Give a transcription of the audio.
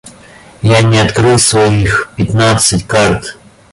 Я не открыл своих пятнадцать карт.